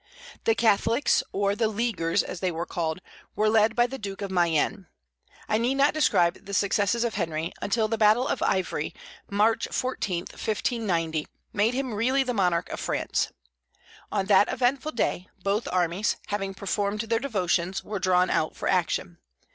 The Catholics, or the "Leaguers" as they were called, were led by the Duke of Mayenne. I need not describe the successes of Henry, until the battle of Ivry, March 14, 1590, made him really the monarch of France. On that eventful day both armies, having performed their devotions, were drawn out for action.